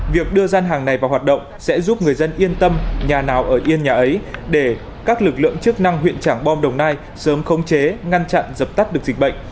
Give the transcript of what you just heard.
việc đưa gian hàng này vào hoạt động sẽ giúp người dân yên tâm nhà nào ở yên nhà ấy để các lực lượng chức năng huyện trảng bom đồng nai sớm khống chế ngăn chặn dập tắt được dịch bệnh